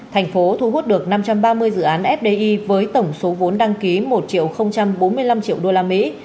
thành phố thu hút được năm trăm ba mươi dự án fdi với tổng số vốn đăng ký một bốn mươi năm triệu usd